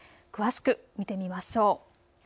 詳しく見てみましょう。